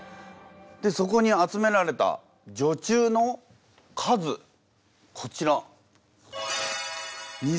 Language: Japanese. でそこに集められた女中の数こちら。